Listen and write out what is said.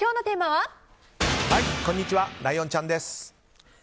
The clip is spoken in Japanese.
はい、こんにちはライオンちゃんです。